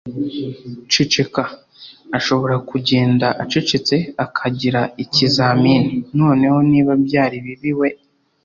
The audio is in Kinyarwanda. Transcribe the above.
ceceka? ashobora kugenda acecetse akagira ikizamini? noneho, niba byari bibi, we